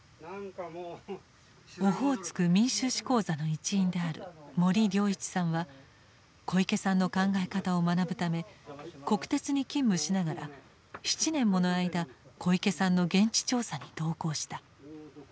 「オホーツク民衆史講座」の一員である森亮一さんは小池さんの考え方を学ぶため国鉄に勤務しながら７年もの間小池さんの現地調査に同行した。